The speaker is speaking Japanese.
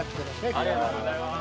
ありがとうございます。